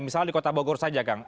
misalnya di kota bogor saja kang